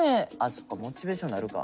そっかモチベーションなるか。